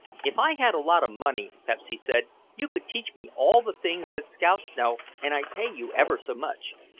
"If I had a lot of money," Pepsy said, "you could teach me all the things that scouts know and I'd pay you ever so much.